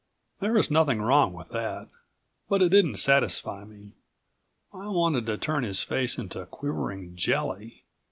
There was nothing wrong with that, but it didn't satisfy me. I wanted to turn his face into quivering jelly.